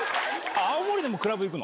青森でもクラブ行くの？